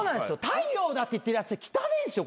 太陽だって言ってるやつ汚えんですよ